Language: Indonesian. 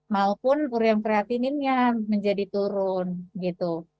maupun urem kreatinin yang menjadi turun gitu